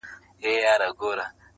د مباح عمل سره په ټکر کې راشي